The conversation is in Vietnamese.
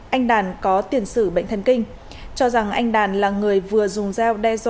anh đàn có tiền sử bệnh thân kinh cho rằng anh đàn là người vừa dùng giao đe dọa